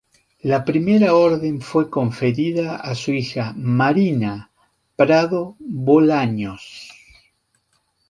La primera orden fue conferida a su hija Marina Prado Bolaños.